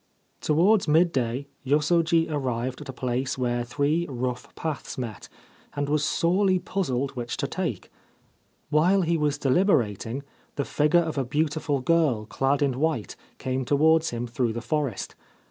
Towards midday Yosoji arrived at a place where three rough paths met, and was sorely puzzled which to take. While he was deliberating the figure of a beautiful girl clad in white came towards him through the forest.